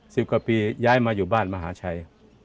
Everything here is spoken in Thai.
สิบกว่าปีย้ายมาอยู่บ้านมหาชัย